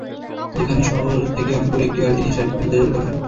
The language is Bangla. সেখানে শহর থেকে অনেক দূরে একটি বাড়িতে নিয়ে শারীরিক নির্যাতন করা হয়।